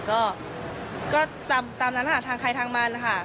ก็ตามนั้นหากใครทางมันนะคะ